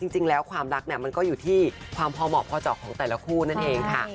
จริงแล้วความรักเนี่ยมันก็อยู่ที่ความพอเหมาะพอเจาะของแต่ละคู่นั่นเองค่ะ